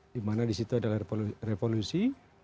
dimana disitu adalah revolusi satu